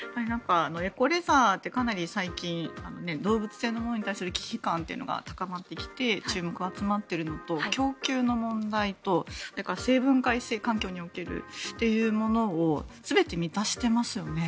エコレザーってかなり最近動物性のものに対する忌避感というのが高まってきて注目が集まっているのと供給の問題と生分解性環境におけるというものを全て満たしてますよね。